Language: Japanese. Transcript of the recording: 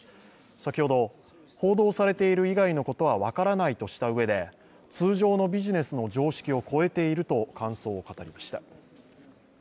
先ほど、報道されている以外のことは分からないとしたうえで通常のビジネスの常識を超えていると感想を語りました。